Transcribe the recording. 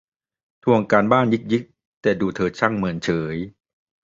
ทวงการบ้านยิกยิก แต่ดูเธอช่างเฉยเมย